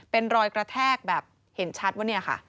เป็นรอยกระแทกแบบเห็นชัดว่า